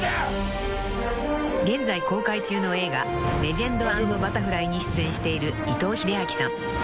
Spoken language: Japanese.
［現在公開中の映画『レジェンド＆バタフライ』に出演している伊藤英明さん］